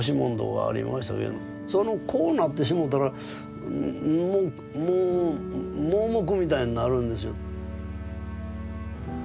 そのこうなってしもうたらもう盲目みたいになるんです。